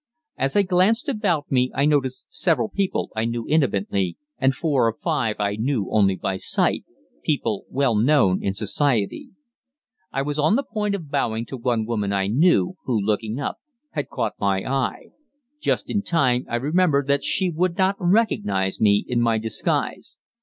As I glanced about me I noticed several people I knew intimately, and four or five I knew only by sight, people well known in Society. I was on the point of bowing to one woman I knew, who, looking up, had caught my eye; just in time I remembered that she would not recognize me in my disguise.